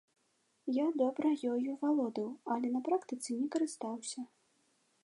Я добра ёю валодаў, але на практыцы не карыстаўся.